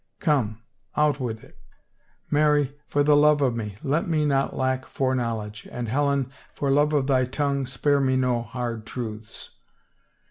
Come, out with it. Mary, for love of me, let me not lack knowl edge, and Helen, for love of thy tongue, spare me no hard truths."